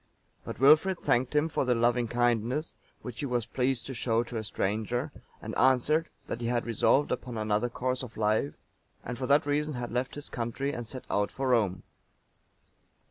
But Wilfrid thanked him for the loving kindness which he was pleased to show to a stranger, and answered, that he had resolved upon another course of life, and for that reason had left his country and set out for Rome.